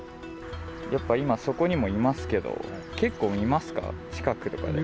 やっぱ今、そこにもいますけ見ますね。